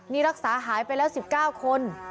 นี่รักษาหายไปแล้ว๑๙คน